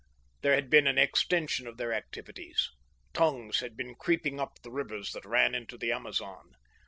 There had been an extension of their activities. Tongues had been creeping up the rivers that ran into the Amazon.